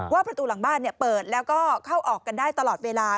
ประตูหลังบ้านเปิดแล้วก็เข้าออกกันได้ตลอดเวลา